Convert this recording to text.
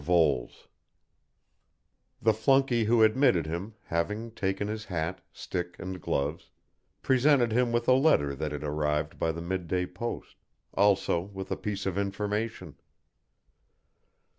VOLES The flunkey who admitted him, having taken his hat, stick and gloves, presented him with a letter that had arrived by the midday post, also with a piece of information.